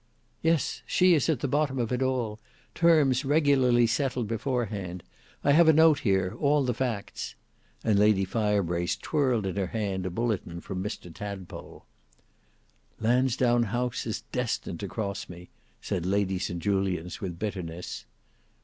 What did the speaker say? "Yes; she is at the bottom of it all. Terms regularly settled beforehand. I have a note here—all the facts." And Lady Firebrace twirled in her hand a bulletin from Mr Tadpole. "Lansdowne House is destined to cross me," said Lady St Julians with bitterness.